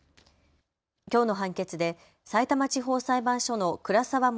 きょうの判決でさいたま地方裁判所の倉澤守